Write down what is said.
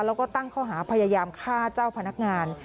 แล้วก็ตั้งข้อหาพยายามฆ่าเจ้าพนักงาน